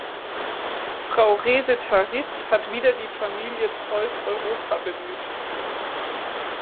Frau Resetarits hat wieder die Familie Zeus-Europa bemüht.